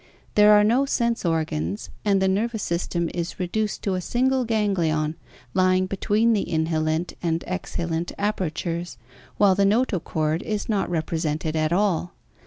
There are no sense organs and the nervous system is reduced to a single ganglion lying between the inhalent and exhalent apertures, while the notochord is not represented at all.